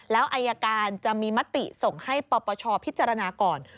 แล้วอายการจะมีมติส่งให้ปปชพิจารณาก่อน